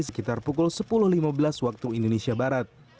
sekitar pukul sepuluh lima belas waktu indonesia barat